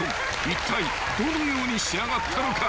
いったいどのように仕上がったのか］